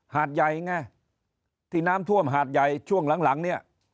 หาดใยไงที่น้ำท่วมหาดใยช่วงหลังเนี่ย